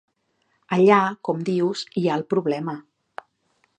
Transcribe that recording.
Allà, com dius, hi ha el problema.